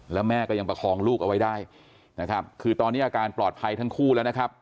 แล้วแม่ก็ยังประคองลูกเอาไว้ได้นะครับคือตอนนี้อาการปลอดภัยทั้งคู่แล้วนะครับ